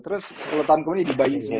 terus sepuluh tahun kemudian dibayi semua